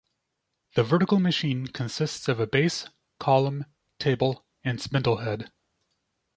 The vertical machine consists of a base, column, table, and spindle head.